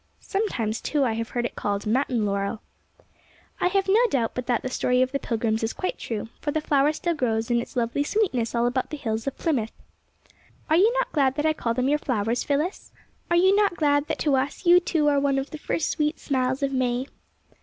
Sometimes, too, I have heard it called ' mountain laurel.' ^' I have no doubt but that the story of the Pilgrims is quite true, for the flower still grows FROM UNDER THE PINES 51 in its lovely sweetness all about the hills of Plymouth. " Are you not glad that I call them your flowers, Phyllis'? Are you not glad that to us, you, too, are one of ' the first sweet smiles of May?